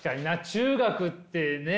中学ってね